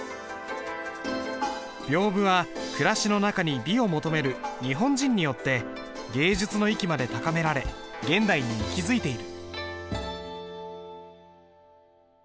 屏風は暮らしの中に美を求める日本人によって芸術の域まで高められ現代に息づいている。